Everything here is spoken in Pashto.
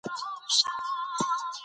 افغانان به پردی ځواک له خپل هېواد ایستله.